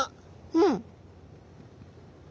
うん。